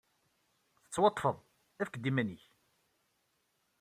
Tettwaḍḍfed. Efk-d iman-nnek!